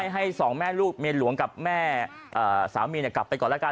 ให้สองแม่ลูกเมียหลวงกับแม่สามีกลับไปก่อนแล้วกัน